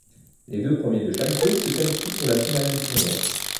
Les deux premiers de chaque groupe se qualifient pour la finale du tournoi.